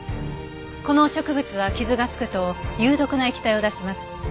この植物は傷がつくと有毒な液体を出します。